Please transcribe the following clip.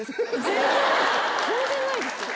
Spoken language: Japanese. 全然ないですよ。